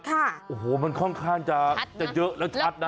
โอ้โหมันค่อนข้างจะเยอะแล้วชัดนะ